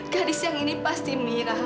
gadis yang ini pasti mirah